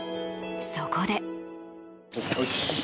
そこで。